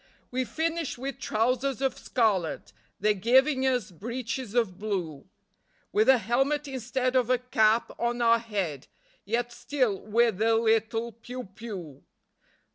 We've finished with trousers of scarlet, They're giving us breeches of blue, With a helmet instead of a cap on our head, Yet still we're the little piou piou.